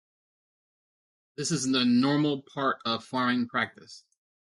This is a normal part of farming practice.